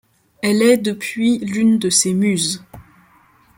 Elle est depuis l'une de ses muses.